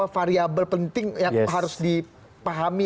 variable penting yang harus dipahami